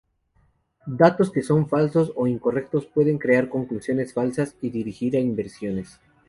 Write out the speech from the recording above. Datos que son falsos o incorrectos pueden crear conclusiones falsas y dirigir a inversiones.